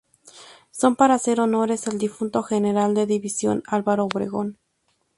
Son para hacer honores al difunto General de División Álvaro Obregón.